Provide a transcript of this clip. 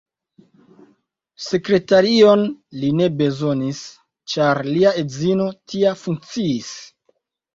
Sekretarion li ne bezonis, ĉar lia edzino tia funkciis.